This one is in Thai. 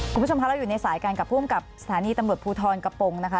คุณผู้ชมคะเราอยู่ในสายกันกับผู้อำกับสถานีตำรวจภูทรกระโปรงนะคะ